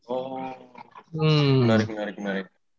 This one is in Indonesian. oh menarik menarik menarik